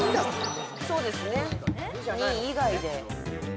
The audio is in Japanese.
そうですね２以外で。